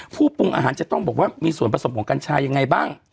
ปรุงอาหารจะต้องบอกว่ามีส่วนผสมของกัญชายังไงบ้าง